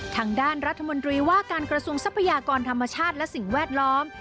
ทางด้านรัฐมนตรีว่าการกระทรวงทรัพยากรธรรมชาติและสิ่งแวดล้อม